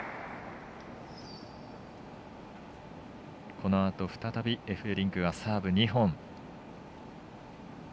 このあと再びエフベリンクがサーブ２本。